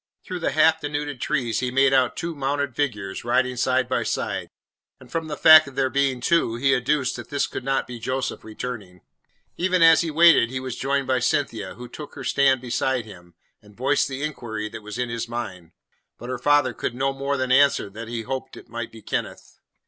Through the half denuded trees he made out two mounted figures, riding side by side; and from the fact of there being two, he adduced that this could not be Joseph returning. Even as he waited he was joined by Cynthia, who took her stand beside him, and voiced the inquiry that was in his mind. But her father could no more than answer that he hoped it might be Kenneth.